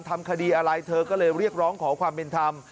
ทำคดีอะไรเธอก็เลยเรียกร้องขอความเป็นธรรม